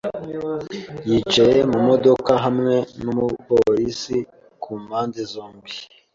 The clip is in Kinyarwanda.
yicaye mu modoka hamwe n'umupolisi ku mpande zombi.